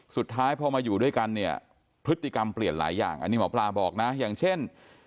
สุดท้ายพอมาอยู่ด้วยกันเนี่ยพฤติกรรมเปลี่ยนหลายอย่างอันนี้หมอปลาบอกนะอย่างเช่น